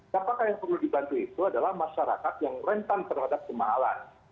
nah apakah yang perlu dibantu itu adalah masyarakat yang rentan terhadap kemahalan